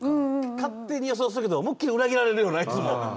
勝手に予想したけど、思いきり裏切られるよね、いつも。